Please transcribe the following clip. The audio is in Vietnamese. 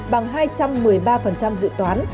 bằng hai trăm một mươi ba dự toán